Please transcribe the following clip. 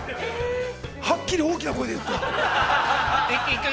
はっきり大きな声で言った。